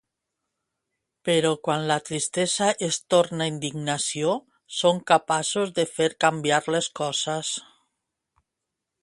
Però quan la tristesa es torna indignació, són capaços de fer canviar les coses.